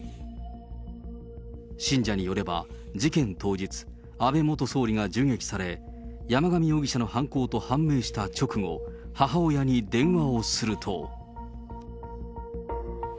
信者によれば、事件当日、安倍元総理が銃撃され、山上容疑者の犯行と判明した直後、母親に電話をすると。